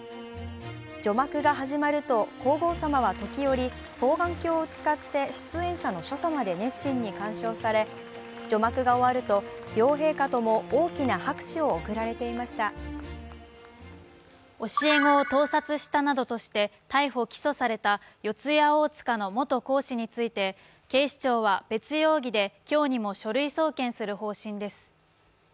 序幕が始まると皇后さまは時折、双眼鏡を使って、出演者の所作まで熱心に鑑賞され序幕が終わると、両陛下とも大きな拍手を送られていました。教え子を盗撮したなどとして逮捕・起訴された四谷大塚の元講師について警視庁は別容疑で今日にも書類送検する方針です。